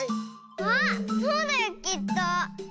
あそうだよきっと！